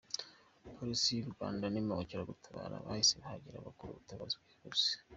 Polisi y’u Rwanda n’Imbangukiragutabara bahise bahagera, bakora ubutabazi bwihuse.